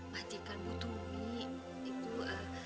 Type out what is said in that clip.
pak jikal butuh ubi